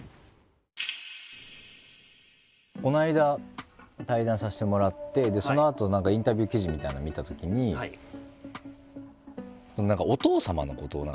この間対談させてもらってそのあと何かインタビュー記事みたいのを見たときに何かお父様のことをちらっと書かれてて。